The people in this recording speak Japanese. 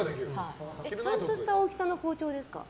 ちゃんとした大きさの包丁ですか？